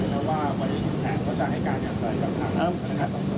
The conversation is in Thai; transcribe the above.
แล้วมันหรือคุณแหน่งก็จะให้การยังไง